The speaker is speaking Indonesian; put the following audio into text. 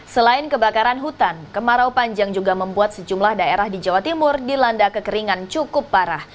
selain kebakaran hutan kemarau panjang juga membuat sejumlah daerah di jawa timur dilanda kekeringan cukup parah